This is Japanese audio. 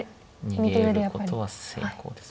逃げることは成功です。